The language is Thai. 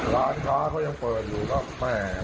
ร้านค้าเขายังเปิดอยู่ก็แม่